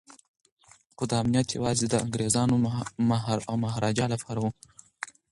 خو دا امنیت یوازې د انګریزانو او مهاراجا لپاره و.